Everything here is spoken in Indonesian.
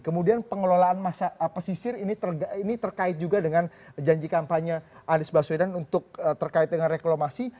kemudian pengelolaan pesisir ini terkait juga dengan janji kampanye anies baswedan untuk terkait dengan reklamasi